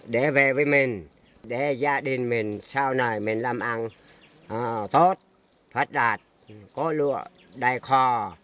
để về với mình để gia đình mình sau này mình làm ăn tốt phát đạt có lúa đầy kho